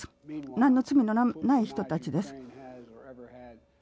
なんの罪もない人たちです。